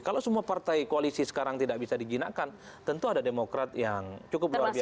kalau semua partai koalisi sekarang tidak bisa dijinakkan tentu ada demokrat yang cukup luar biasa